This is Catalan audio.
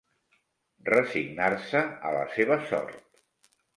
Resignar-se a la seva sort.